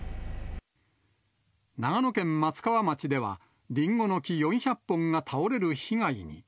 長野県松川町では、リンゴの木４００本が倒れる被害に。